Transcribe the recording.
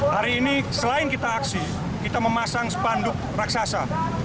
hari ini selain kita aksi kita memasang spanduk raksasa